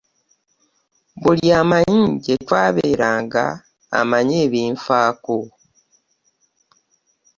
Buli amanyi gye twabeeranga amanyi ebinfaako.